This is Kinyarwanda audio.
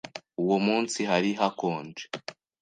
Uwo munsi hari hakonje.